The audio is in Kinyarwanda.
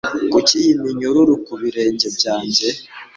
kuki iyi minyururu ku birenge byanjye